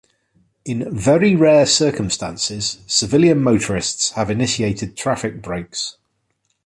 In very rare circumstances, civilian motorists have initiated traffic breaks.